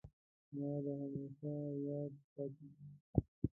مړه د همېشه یاد پاتېږي